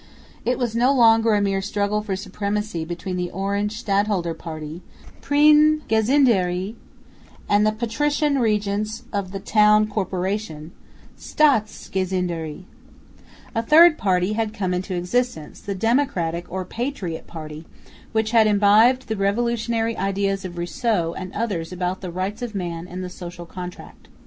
It was no longer a mere struggle for supremacy between the Orange Stadholder party (prins gezinderi) and the patrician regents of the town corporations (staats gezinderi); a third party had come into existence, the democratic or "patriot" party, which had imbibed the revolutionary ideas of Rousseau and others about the Rights of Man and the Social Contract.